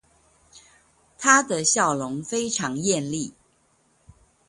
她的笑容非常豔麗